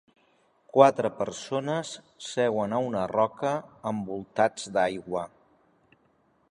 Quatre persones seuen a una roca envoltats d'aigua.